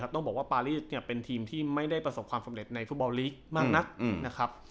ต้องบอกว่าปารีสเป็นทีมที่ไม่ได้ประสบความสำเร็จในฟุตบอลลีกมากนักนะครับ